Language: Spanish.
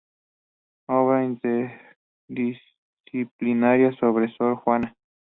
Obra interdisciplinaria sobre Sor Juana.